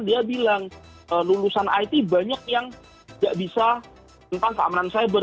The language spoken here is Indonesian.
dia bilang lulusan it banyak yang tidak bisa tentang keamanan cyber